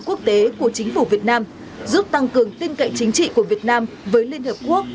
quốc tế của chính phủ việt nam giúp tăng cường tin cậy chính trị của việt nam với liên hợp quốc